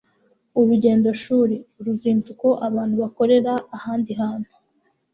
Urugendo shuri: Uruzinduko abantu bakorera ahandi hantu